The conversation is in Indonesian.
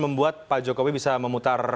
membuat pak jokowi bisa memutar